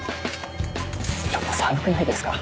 ちょっと寒くないですか？